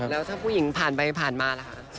แล้วถ้าผู้หญิงผ่านไปผ่านมาล่ะคะ